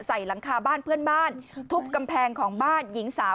หลังคาบ้านเพื่อนบ้านทุบกำแพงของบ้านหญิงสาว